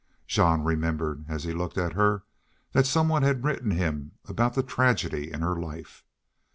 Jean remembered, as he looked at her, that some one had written him about the tragedy in her life.